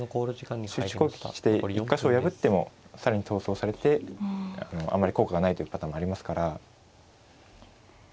集中攻撃して１か所破っても更に逃走されてあんまり効果がないというパターンもありますから。